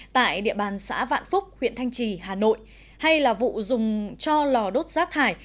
tại địa bàn xã vạn phúc huyện thanh trì hà nội hay là vụ dùng cho lò đốt rác thải